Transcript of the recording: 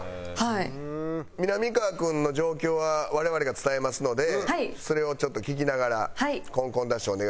みなみかわ君の状況は我々が伝えますのでそれをちょっと聞きながらコンコンダッシュお願いします。